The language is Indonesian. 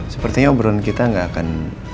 sepertinya obrolan kita gak akan